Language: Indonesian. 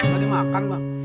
gak dimakan bang